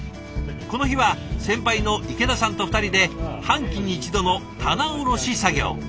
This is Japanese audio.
この日は先輩の池田さんと２人で半期に１度の棚卸し作業。